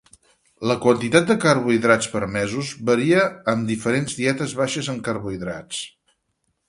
La quantitat de carbohidrats permesos varia amb diferents dietes baixes en carbohidrats.